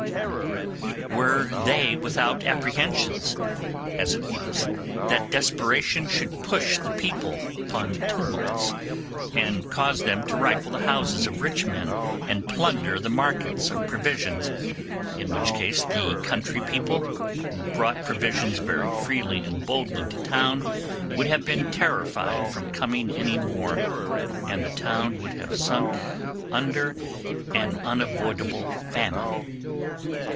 Nor were they without apprehensions, as it was, that desperation should push the people upon tumults, and cause them to rifle the houses of rich men and plunder the markets of provisions; in which case the country people, who brought provisions very freely and boldly to town, would have been terrified from coming any more, and the town would have sunk under an unavoidable famine.